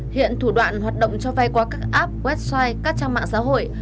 hiện thủ đoạn hoạt động cho vay qua các app website các trang mạng xã hội